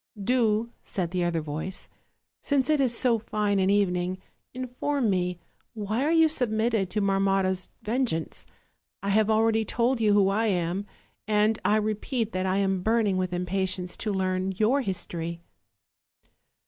"Do," said the other voice, "since it is so fine an even OLD, OLD FAIRY TALES. 399 ing, inform me why you are submitted to Marmotta's vengeance? I have already told you who I am, and I repeat that I am burning with impatience to learn your history."